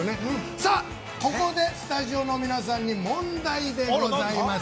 さあここでスタジオの皆さんに問題でございます。